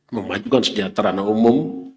memajukan sejahtera umum